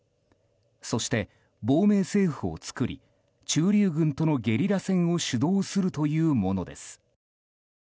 そして、亡命政府を作り駐留軍とのゲリラ戦を主導するというものです。